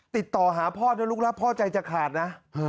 ติดต่อหาพ่อถ้าลูกรักพ่อใจจะขาดนะ